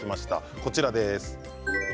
こちらです。